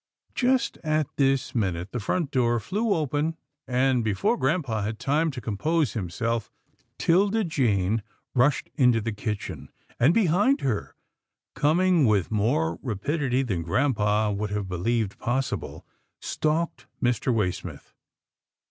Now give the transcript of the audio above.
Just at this minute, the front door flew open, and before grampa had time to compose himself^ 'Tilda Jane rushed into the kitchen, and behind her coming with more rapidity than grampa would have believed possible, stalked Mr. Waysmith.